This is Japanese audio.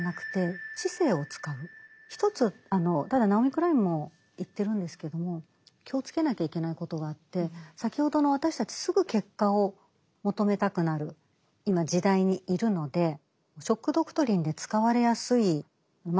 一つただナオミ・クラインも言ってるんですけども気をつけなきゃいけないことがあって先ほどの私たちすぐ結果を求めたくなる今時代にいるので「ショック・ドクトリン」で使われやすいマーケティングとしてですね